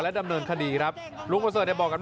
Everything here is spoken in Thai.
วายย่อกมกราบแล้วก็บอกว่า